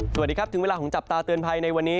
สวัสดีครับถึงเวลาของจับตาเตือนภัยในวันนี้